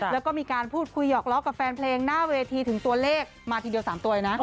แล้วก็มีการพูดคุยหยอกล้อกับแฟนเพลงหน้าเวทีถึงตัวเลขมาทีเดียว๓ตัวเองนะ